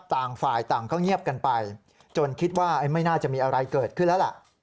ต่างฝ่ายต่างก็เงียบกันไปจนคิดว่าไม่น่าจะมีอะไรเกิดขึ้นแล้วล่ะ